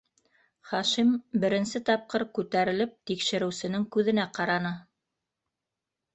Хашим беренсе тапҡыр күтәрелеп тикшереүсенең күҙенә ҡараны: